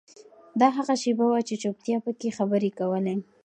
دا هغه شیبه وه چې چوپتیا پکې خبرې کولې.